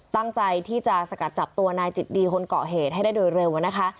ตั้งใจที่จะสกัดจับตัวนายจิตดีคนเกาะเหตุให้ได้โดยเร็วนะคะ